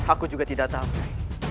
aku juga tidak tahu